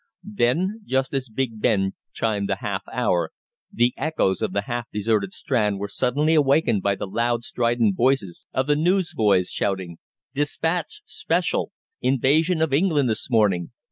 Then, just as Big Ben chimed the half hour, the echoes of the half deserted Strand were suddenly awakened by the loud, strident voices of the newsboys shouting: "'Dispatch,' spe shall! Invasion of England this morning!